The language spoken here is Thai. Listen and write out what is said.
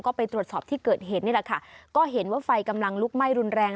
ก็ไปตรวจสอบที่เกิดเหตุนี่แหละค่ะก็เห็นว่าไฟกำลังลุกไหม้รุนแรง